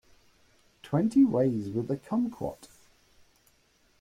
Twenty ways with a kumquat.